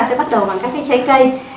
sẽ bắt đầu bằng các cái trái cây